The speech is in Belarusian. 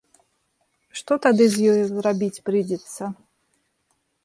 Што тады з ёю рабіць прыйдзецца?